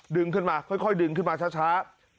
ดึงขึ้นมาค่อยดึงขึ้นมาช้า